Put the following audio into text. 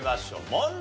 問題